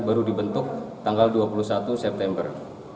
baru dibentuk tanggal dua puluh satu september